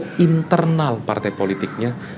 pendidikan politik keindahan dan pendidikan politik keindahan